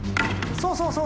そうそうそう。